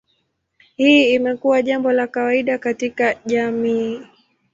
Hii imekuwa jambo la kawaida katika jamii.